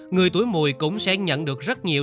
người tuổi mùi cũng sẽ nhận được rất nhiều